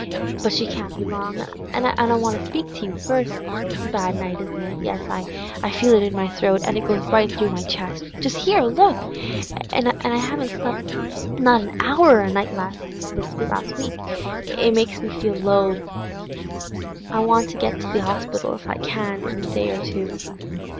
But she can't be long, an' I want to speak to you first. It's a bad night, isn't it? Yes, I feel it in my throat, and it goes right through my chest—just 'ere, look! And I haven't slep' not a hour a night this last week; it makes me feel that low. I want to get to the Orspital, if I can, in a day or two.